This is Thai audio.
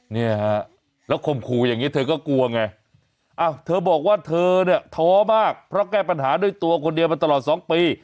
เนี่ยฮะแล้วข่มขู่อย่างนี้เธอก็กลัวไงเธอบอกว่าเธอเนี่ยท้อมากเพราะแก้ปัญหาด้วยตัวคนเดียวมาตลอด๒ปี